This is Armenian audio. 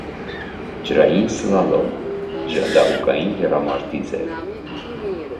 Ջրային սլալոմ, ջրադահուկային եռամարտի ձև։